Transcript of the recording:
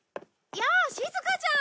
やあしずかちゃん！